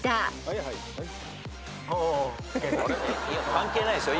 関係ないですよ